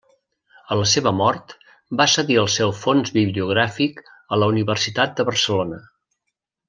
A la seva mort va cedir el seu fons bibliogràfic a la Universitat de Barcelona.